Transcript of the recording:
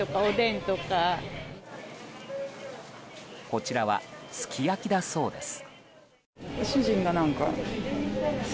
こちらはすき焼きだそうです。